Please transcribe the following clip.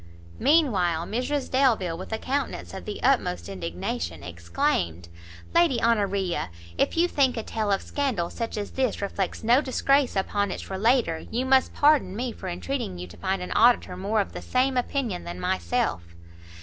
Meanwhile Mrs Delvile, with a countenance of the utmost indignation, exclaimed, "Lady Honoria, if you think a tale of scandal such as this reflects no disgrace upon its relater, you must pardon me for entreating you to find an auditor more of the same opinion than myself."